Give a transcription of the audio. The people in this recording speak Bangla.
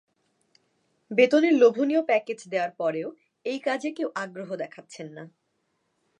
বেতনের লোভনীয় প্যাকেজ দেয়ার পরেও এই কাজে কেউ আগ্রহ দেখাচ্ছেন না।